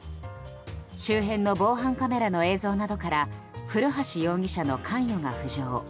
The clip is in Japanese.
周辺の防犯カメラの映像などから古橋容疑者の関与が浮上。